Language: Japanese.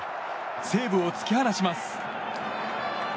西武を突き放します。